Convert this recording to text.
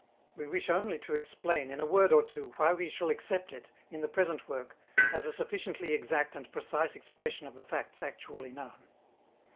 We wish only to explain in a word or two why we shall accept it, in the present work, as a sufficiently exact and precise expression of the facts actually known.